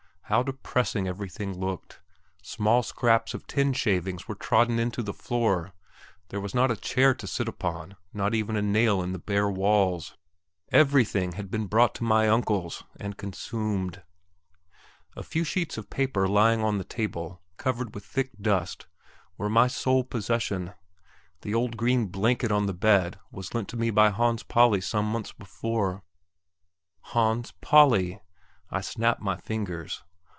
How depressing everything looked! Small scraps of tin shavings were trodden into the floor; there was not a chair to sit upon, not even a nail in the bare walls. Everything had been brought to my "Uncle's," and consumed. A few sheets of paper lying on the table, covered with thick dust, were my sole possession; the old green blanket on the bed was lent to me by Hans Pauli some months ago.... Hans Pauli! I snap my fingers.